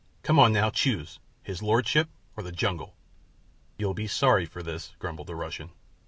Come now, choose—his lordship or the jungle?" "You'll be sorry for this," grumbled the Russian.